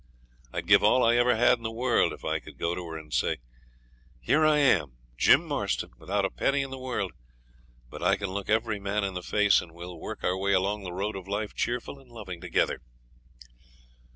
I'd give all I ever had in the world if I could go to her and say, "Here I am, Jim Marston, without a penny in the world, but I can look every man in the face, and we'll work our way along the road of life cheerful and loving together."